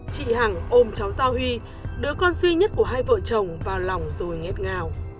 chị hằng ôm cháu giao huy đứa con duy nhất của hai vợ chồng vào lòng rồi nghét ngã